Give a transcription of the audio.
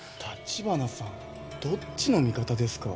橘さんどっちの味方ですか。